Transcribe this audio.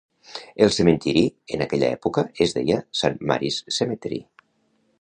El cementiri en aquella època es deia Saint Mary's Cemetery.